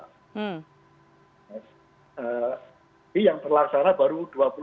tapi yang terlaksana baru dua puluh tiga